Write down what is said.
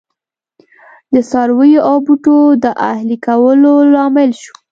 د څارویو او بوټو د اهلي کولو لامل شو.